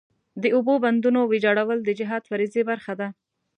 د اوبو بندونو ویجاړول د جهاد فریضې برخه ده.